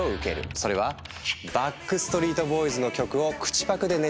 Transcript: それはバックストリート・ボーイズの曲を口パクで熱唱する学生の動画。